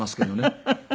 フフフフ。